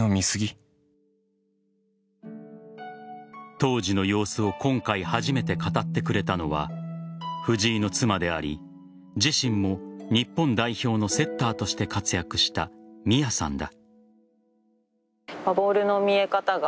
当時の様子を今回、初めて語ってくれたのは藤井の妻であり自身も日本代表のセッターとして活躍した美弥さんだ。